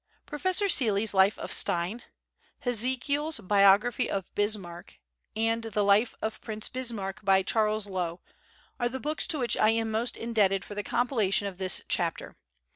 Professor Seeley's Life of Stein, Hezekiel's Biography of Bismarck, and the Life of Prince Bismarck by Charles Lowe, are the books to which I am most indebted for the compilation of this chapter.